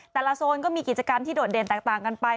โซนก็มีกิจกรรมที่โดดเด่นแตกต่างกันไป